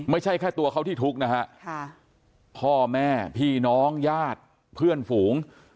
ไม่ใช่แค่ตัวเขาที่ทุกข์นะฮะพ่อแม่พี่น้องญาติเพื่อนฝูง